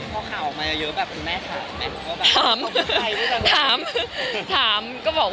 พอข่าวออกมากันมากเยอะแม่แล้วคุณผู้ชายถามกันไหม